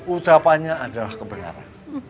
ucapannya adalah kebenaran